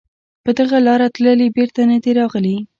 په دغه لاره تللي بېرته نه دي راغلي